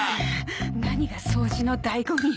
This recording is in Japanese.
何が掃除の醍醐味よ。